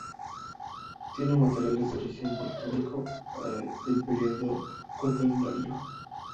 Tiene materiales de origen volcánico del periodo Cuaternario.